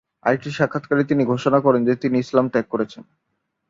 আরেকটি সাক্ষাৎকারে তিনি ঘোষণা করেন যে তিনি ইসলাম ত্যাগ করেছেন।